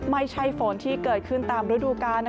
ไม่ใช่ฝนที่เกิดขึ้นตามฤดูกาล